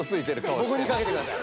ぼくにかけてください。